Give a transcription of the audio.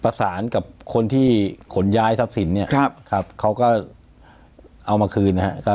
ประสานกับคนที่ขนย้ายทรัพย์สินเนี่ยครับเขาก็เอามาคืนนะครับ